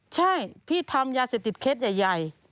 ใช่พี่ทำยาเสพติดเคสใหญ่